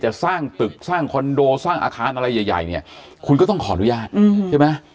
สร้างตึกสร้างคอนโดสร้างอาคารอะไรใหญ่เนี่ยคุณก็ต้องขออนุญาตใช่ไหม